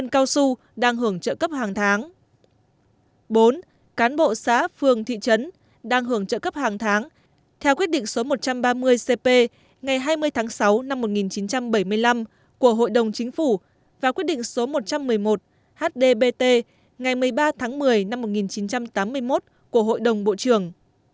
bốn cán bộ xã phường thị trấn đang hưởng trợ cấp hàng tháng theo quyết định số một trăm ba mươi cp ngày hai mươi tháng sáu năm một nghìn chín trăm bảy mươi năm của hội đồng chính phủ và quyết định số một trăm một mươi một hdbt ngày một mươi ba tháng một mươi năm một nghìn chín trăm tám mươi một của hội đồng bộ trưởng